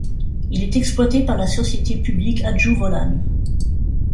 Il est exploité par la société publique Hajdú Volán.